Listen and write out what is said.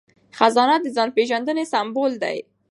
خزانه د ځان پیژندنې سمبول دی.